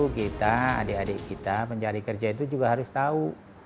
kita adik adik kita pencari kerja itu juga harus tahu